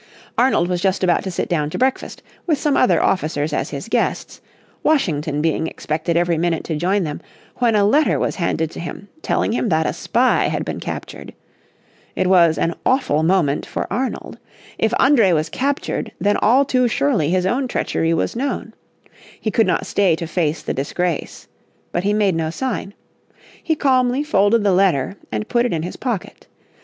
Arnold was just about to sit down to breakfast, with some other officers as his guests, Washington being expected every minute to join them, when a letter was handed to him, telling him that a spy had been captured. It was an awful moment for Arnold. If André was captured then all too surely his own treachery was known. He could not stay to face the disgrace. But he made no sign. He calmly folded the letter, and put it in his pocket.